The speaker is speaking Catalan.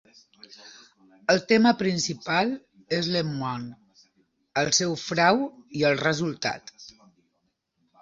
El tema principal és Lemoine, el seu frau i el resultat.